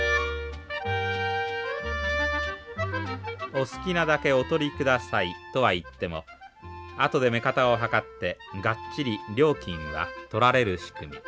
「お好きなだけお取りください」とはいってもあとで目方を量ってがっちり料金は取られる仕組み。